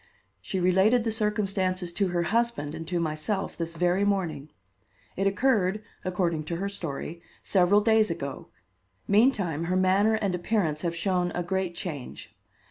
She related the circumstances to her husband and to myself this very morning. It occurred, according to her story, several days ago; meantime her manner and appearance have shown a great change.